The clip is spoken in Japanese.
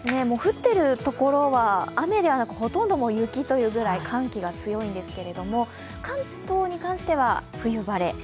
降っている所は雨ではなく、ほとんど雪というぐらい寒気が強いんですけど、関東に関しては冬晴れ。